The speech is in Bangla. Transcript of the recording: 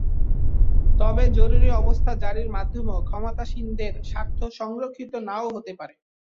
তবে জরুরি অবস্থা জারির মাধ্যমে ক্ষমতাসীনদের স্বার্থ সংরক্ষিত নাও হতে পারে।